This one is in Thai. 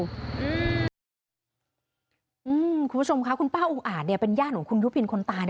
คุณผู้ชมค่ะคุณป้าอุ้งอาจเป็นญาติของคุณยุพินคนตาย